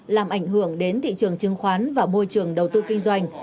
làm ảnh hưởng đến thị trường chứng khoán và môi trường đầu tư kinh doanh